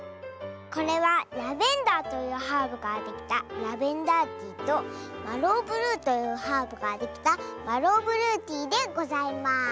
これはラベンダーというハーブからできた「ラベンダーティー」とマローブルーというハーブからできた「マローブルーティー」でございます。